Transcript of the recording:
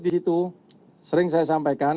di situ sering saya sampaikan